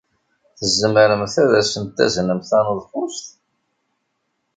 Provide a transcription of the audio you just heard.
Tzemremt ad asen-taznem taneḍfust?